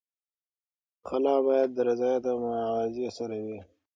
خلع باید د رضایت او معاوضې سره وي.